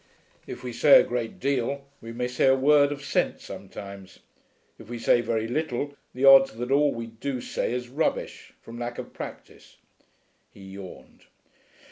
If we say a great deal, we may say a word of sense sometimes. If we say very little, the odds are that all we do say is rubbish, from lack of practice.' He yawned.